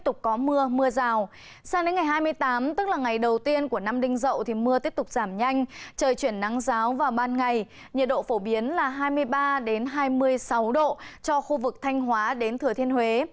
trời chuyển nắng giáo vào ban ngày nhiệt độ phổ biến là hai mươi ba hai mươi sáu độ cho khu vực thanh hóa đến thừa thiên huế